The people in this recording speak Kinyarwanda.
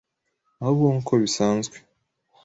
Ahubwo nk’uko bisanzwe